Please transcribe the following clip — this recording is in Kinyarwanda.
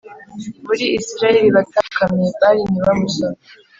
muri Isirayeli batapfukamiye Bāli, ntibamusome”